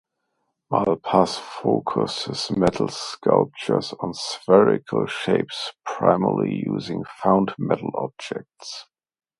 Malpass focused his metal sculptures on spherical shapes, primarily using found metal objects.